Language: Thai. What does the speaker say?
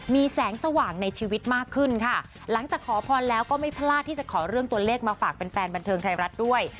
มีแสงสว่างในชีวิตมากขึ้นค่ะหลังจากขอพรแล้วก็ไม่พลาดที่จะขอเรื่องตัวเลขมาฝากแฟนบันเทิงไทยรัฐด้วย